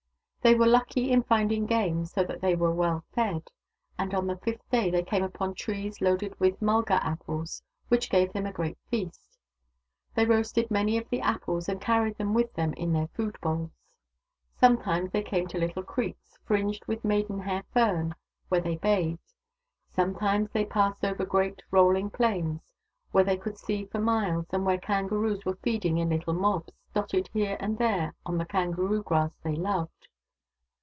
They were lucky in finding game, so that they w ere well fed ; and on the fifth day they came upon trees loaded with mulga apples, which gave them a great feast. They roasted many of the apples and carried them with them in their food bowls. Sometimes they came to little creeks, fringed with maidenhair fern, where they bathed ; sometimes they passed over great, rolling plains, where they could see for miles, and where kangaroos were feeding in little mobs, dotted here and there on the kangaroo grass they loved.